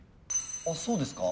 あそうですか？